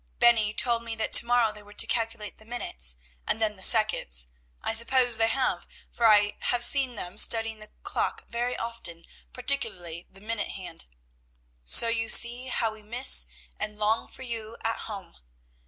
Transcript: Bennie told me that to morrow they were to calculate the minutes, and then the seconds. I suppose they have, for I see them studying the clock very often, particularly the minute hand. "So you see how we miss and long for you at home.